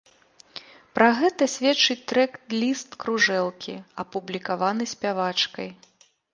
Пра гэта сведчыць трэк-ліст кружэлкі, апублікаваны спявачкай.